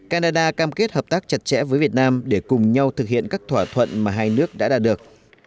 canada cam kết hợp tác chặt chẽ với việt nam để cùng nhau thực hiện các thỏa thuận mà hai nước đã đạt được